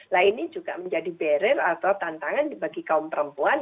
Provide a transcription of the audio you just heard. lainnya juga menjadi barier atau tantangan bagi kaum perempuan